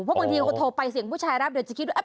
เพราะบางทีเขาโทรไปเสียงผู้ชายรับเดี๋ยวจะคิดว่า